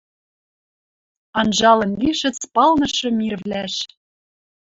Анжалын лишӹц палнышы мирвлӓш.